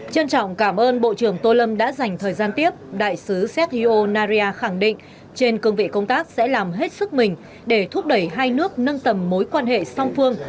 trân trọng cảm ơn bộ trưởng tô lâm đã dành thời gian tiếp đại sứ setio naria khẳng định trên cương vị công tác sẽ làm hết sức mình để thúc đẩy hai nước nâng tầm mối quan hệ song phương